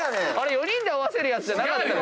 ４人で合わせるやつじゃなかったの⁉